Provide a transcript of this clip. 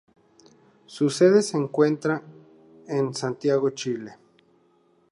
Su sede se encuentra en Santiago, Chile.